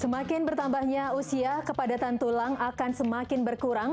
semakin bertambahnya usia kepadatan tulang akan semakin berkurang